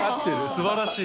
すばらしい。